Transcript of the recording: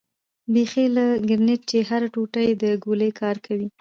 بيخي لکه ګرنېټ چې هره ټوټه يې د ګولۍ کار کوي.